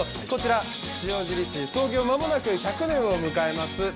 こちら塩尻市、創業間もなく１００年を迎えます